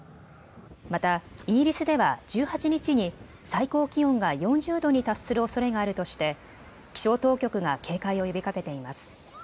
またイギリスでは１８日に最高気温が４０度に達するおそれがあるとして気象当局が警戒を呼びかけています。